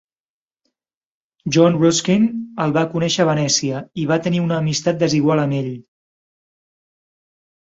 John Ruskin el va conèixer a Venècia i va tenir una amistat desigual amb ell.